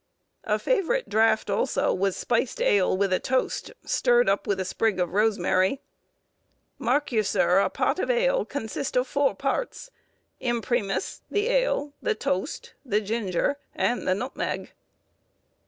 A favourite draught, also, was spiced ale with a toast, stirred up with a sprig of rosemary,—"Mark you, sir, a pot of ale consists of four parts: imprimis, the ale, the toast, the ginger, and the nutmeg."